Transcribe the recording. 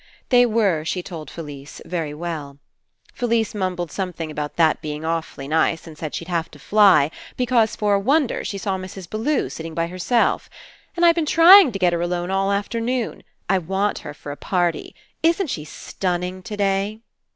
They were, she told Felise, very well. Felise mumbled something about that being awfully nice, and said she'd have to fly, because for a wonder she saw Mrs. Bellew sitting by herself, "and I've been trying to get her alone all afternoon. I want her for a party. Isn't she stunning today?"